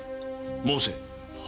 申せ。